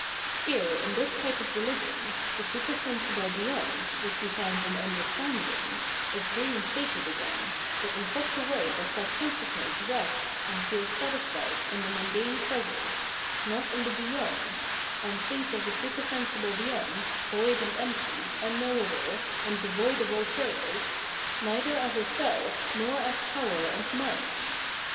Here in this type of rehgion, the super sensible beyond, which we found in " understanding," is reinstated again, but in such a way that self conscious ness rests and feels satisfied in the mundane present, not m the " beyond," and thinks of the supersensible beyond, void and empty, unknowable, and devoid of all terrors, neither as a self nor as power and might.